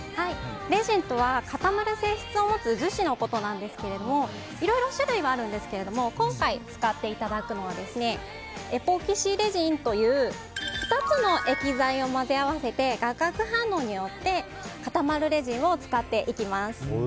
レジンとは、固まる性質を持つ樹脂のことなんですがいろいろ種類はあるんですけども今回、使っていただくのはエポキシレジンという２つの液剤を混ぜ合わせて化学反応によって固まるレジンを使っていきます。